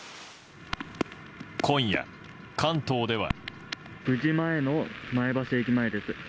今夜、関東では。